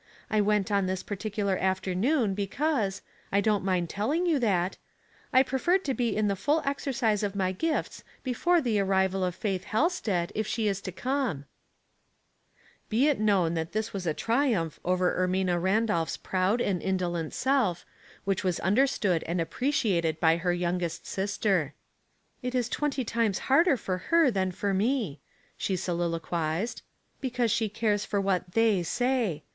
I went on this particular afternoon because — I don't mind tell ing you that — I preferred to be in the full exercise of my gifts before the arrival of Faith llalsted, if she is to come." Ways and Means, 193 Be it known that this was a triumph over Ermina Randolph's proud and indolent self, which was understood and appreciated by her youngest sister. "It is twenty time& harder for her than for me," she soliloquized ;" because she cares for what * they ' say.